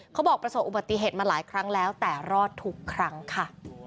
เขาบอกประสบอุบัติเหตุมาหลายครั้งแล้วแต่รอดทุกครั้งค่ะ